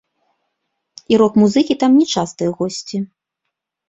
І рок-музыкі там не частыя госці.